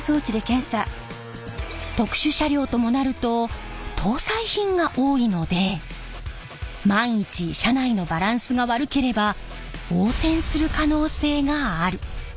特殊車両ともなると搭載品が多いので万一車内のバランスが悪ければ横転する可能性がある。